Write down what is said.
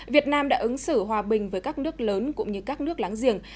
việt nam đã ứng xử hòa bình với các nước lớn cũng như các nước láng giềng